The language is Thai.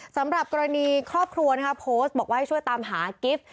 สำหรับกรณีครอบครัวโพสต์บอกว่าให้ช่วยตามหากิฟต์